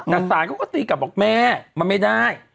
แต่สารเขาก็ตีกลับบอกแม่มันไม่ได้